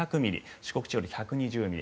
四国地方で１２０ミリ。